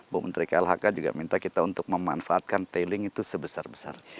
bu menteri klhk juga minta kita untuk memanfaatkan tailing itu sebesar besar